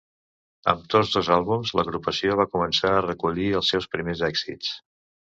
Amb tots dos àlbums, l'agrupació va començar a recollir els seus primers èxits.